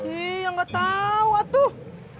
iya gak tahu aduh